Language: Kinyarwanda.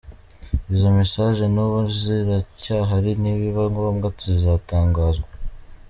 Izo message n’ubu ziracyahali nibiba ngombwa zizatangazwa.